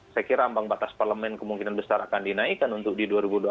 saya kira ambang batas parlemen kemungkinan besar akan dinaikkan untuk di dua ribu dua puluh empat